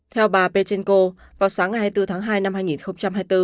theo bà petenko vào sáng ngày hai mươi bốn tháng hai năm hai nghìn hai mươi bốn